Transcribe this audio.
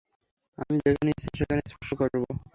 আমি যেখানে ইচ্ছা সেখানে স্পর্শ করবো।